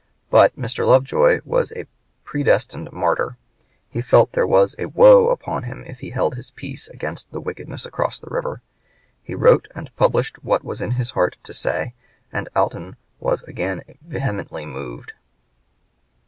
But Mr. Lovejoy was a predestined martyr. He felt there was a "woe" upon him if he held his peace against the wickedness across the river. He wrote and published what was in his heart to say, and Alton was again vehemently moved.